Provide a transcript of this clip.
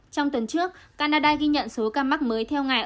trong tuần trước canada ghi nhận số ca mắc mới theo ngày